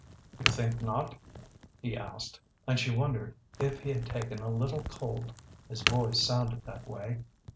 "You think not?" he asked and she wondered if he had taken a little cold; his voice sounded that way.